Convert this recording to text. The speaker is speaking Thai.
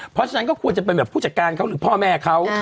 เพราะฉะนั้นก็ควรจะเป็นแบบผู้จัดการเขาหรือพ่อแม่เขา